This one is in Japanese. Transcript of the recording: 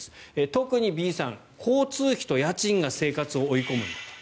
特にＢさん、交通費と家賃が生活を追い込むんだと。